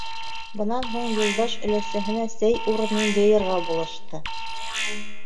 Бынан һуң Юлдаш өләсәһенә сәй урынын йыйырға булышты.